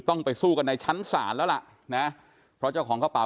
ต้องไปสู้กันในชั้นศาลแล้วล่ะนะเพราะเจ้าของกระเป๋า